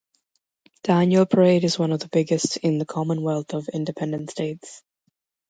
The annual parade is one of the biggest in the Commonwealth of Independent States.